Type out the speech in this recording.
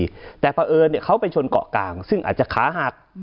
ออกเวลง้านเดินเนี่ยเขาเอาไปชนก่อกลางซึ่งอาจจะค้าหัก